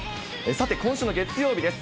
さて、今週の月曜日です。